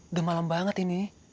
udah malam banget ini